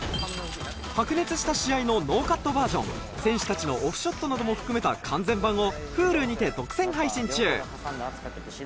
白熱した試合のノーカットバージョン選手たちのオフショットなども含めた完全版をＨｕｌｕにて独占配信中